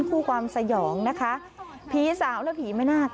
คู่ความสยองนะคะผีสาวและผีแม่นาค